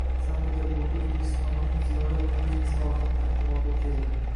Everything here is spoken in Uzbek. Sank-Peterburgda O‘zbekistonning ziyorat turizmi salohiyati taqdimoti o‘tkazildi